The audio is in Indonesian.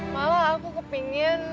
malah aku kepengen